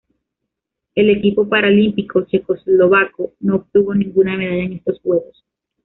El equipo paralímpico checoslovaco no obtuvo ninguna medalla en estos Juegos.